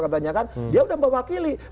dia sudah mewakili